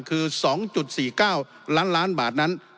คือ๒๔๙ล้านล้านบาทนั้น